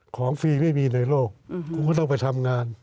ฟรีไม่มีในโลกคุณก็ต้องไปทำงาน